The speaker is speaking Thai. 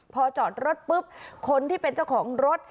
พอจอดรถปุ๊บคนที่เป็นเจ้าของรถ